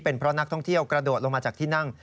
เพราะนักท่องเที่ยวกระโดดลงมาจากที่นั่ง